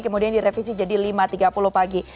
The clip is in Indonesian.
kemudian direvisi jadi lima tiga puluh pagi